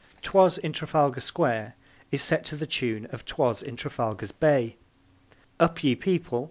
'Twas in Trafalgar Square is set to the tune of 'Twas in Trafalgar's Bay; Up, Ye People!